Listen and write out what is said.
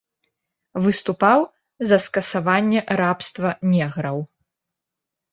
Выступаў за скасаванне рабства неграў.